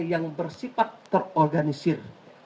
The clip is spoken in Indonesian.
yang bersifat terorganisir